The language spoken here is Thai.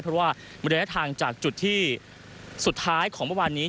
เพราะว่ามันได้ทางจากจุดที่สุดท้ายของประวัตินี้